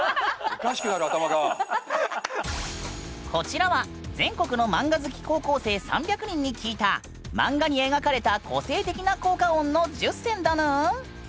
こちらは全国のマンガ好き高校生３００人に聞いたマンガに描かれた個性的な効果音の１０選だぬん。